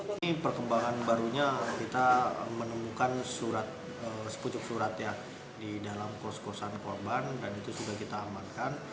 ini perkembangan barunya kita menemukan sepucuk surat ya di dalam kos kosan korban dan itu sudah kita amankan